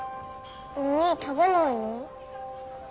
おにぃ食べないの？